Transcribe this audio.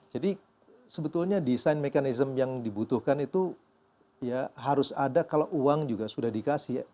jadi sebetulnya design mechanism yang dibutuhkan itu harus ada kalau uang juga sudah di kasih